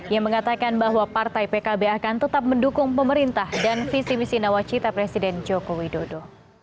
yang mengatakan bahwa partai pkb akan tetap mendukung pemerintah dan visi misi nawacita presiden joko widodo